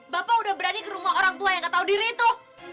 bapak udah berani ke rumah orang tua yang gak tahu diri itu